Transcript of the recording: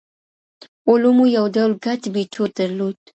علومو یو ډول ګډ میتود درلود.